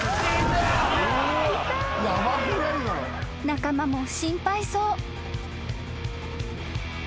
［仲間も心配そう］